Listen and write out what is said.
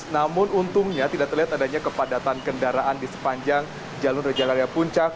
namun untungnya tidak terlihat adanya kepadatan kendaraan di sepanjang jalur reja area puncak